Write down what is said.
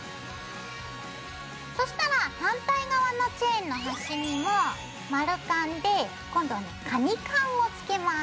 そしたら反対側のチェーンの端にも丸カンで今度はカニカンをつけます。